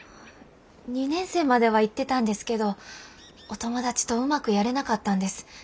２年生までは行ってたんですけどお友達とうまくやれなかったんです。